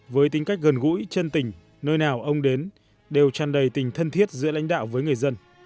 với tính cách gần gũi chân tình nơi nào ông đến đều tràn đầy tình thân thiết giữa lãnh đạo với người dân